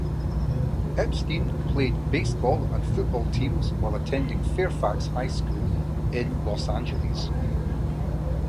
Epstein played baseball and football teams while attending Fairfax High School in Los Angeles.